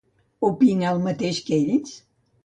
Opina el mateix que ells?